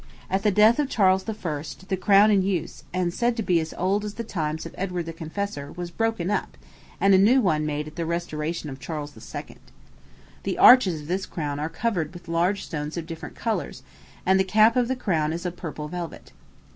At the death of Charles I., the crown in use, and said to be as old as the times of Edward the Confessor, was broken up, and a new one made at the restoration of Charles II. The arches of this crown are covered with large stones of different colors, and the cap of the crown is of purple velvet.